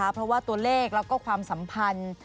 เพราะว่าตัวเลขแล้วก็ความสัมพันธ์